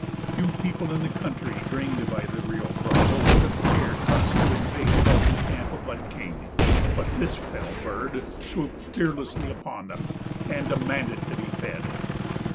Few people in the country drained by the Rio Bravo would have cared thus to invade alone the camp of Bud King. But this fell bird swooped fearlessly upon them and demanded to be fed.